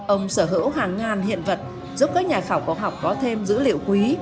ông sở hữu hàng ngàn hiện vật giúp các nhà khảo cổ học có thêm dữ liệu quý